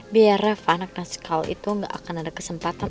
biar raff anak nasi kau itu gak akan ada kesempatan